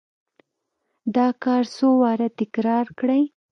دا کار څو واره تکرار کړئ.